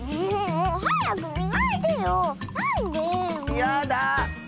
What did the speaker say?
やだ！